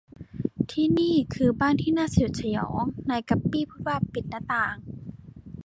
ที่นี่คือบ้านที่น่าสยดสยอง นายกั๊ปปี้พูดว่า ปิดหน้าต่าง